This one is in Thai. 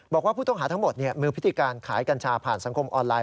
บอกว่าผู้ต้องหาทั้งหมดมีพฤติการขายกัญชาผ่านสังคมออนไลน